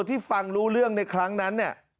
ที่ฟังรู้เรื่องในครั้งนั้นเนี่ย